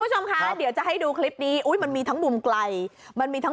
คุณผู้ชมคะเดี๋ยวจะให้ดูคลิปนี้อุ้ยมันมีทั้งมุมไกลมันมีทั้ง